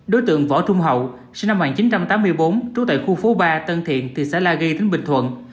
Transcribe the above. đối tượng võ trung hậu sinh năm một nghìn chín trăm tám mươi bốn trú tại khu phố ba tân thiện thị xã la ghi tỉnh bình thuận